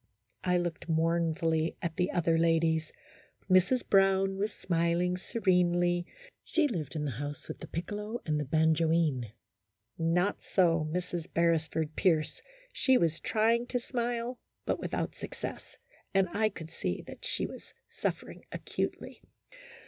I looked mournfully at the other ladies. Mrs. Brown was smiling serenely ; she lived in the house with the piccolo and the ban joine. Not so Mrs. Beresford Pierce ; she was trying to smile, but without success, and I could see that she was suffering acutely.